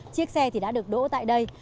chiếc xe thì đã được đỗ tại đây